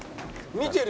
見てる！